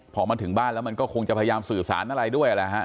พอมาถึงบ้านแล้วมันก็คงจะพยายามสื่อสารอะไรด้วยแหละฮะ